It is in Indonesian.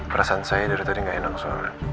perasaan saya dari tadi nggak enak soalnya